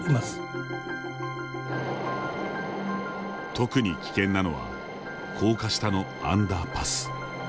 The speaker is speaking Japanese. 特に危険なのは高架下のアンダーパス。